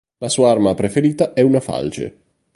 La sua arma preferita è una falce.